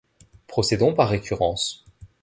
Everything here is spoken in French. Procédons par récurrence.